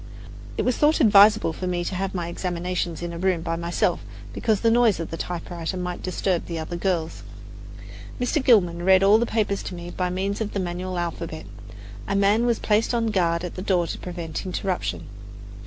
It was thought advisable for me to have my examinations in a room by myself, because the noise of the typewriter might disturb the other girls. Mr. Gilman read all the papers to me by means of the manual alphabet. A man was placed on guard at the door to prevent interruption.